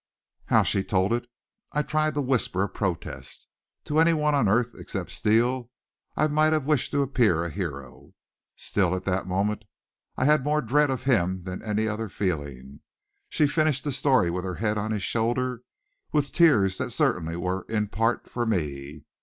How she told it! I tried to whisper a protest. To any one on earth except Steele I might have wished to appear a hero. Still, at that moment I had more dread of him than any other feeling. She finished the story with her head on his shoulder, with tears that certainly were in part for me.